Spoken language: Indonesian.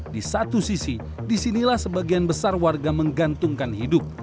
di satu sisi disinilah sebagian besar warga menggantungkan hidup